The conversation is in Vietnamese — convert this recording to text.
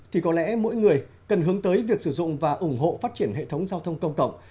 thì có lẽ mỗi người cần hướng tới việc sử dụng và ủng hộ phát triển hệ thống giao thông công cộng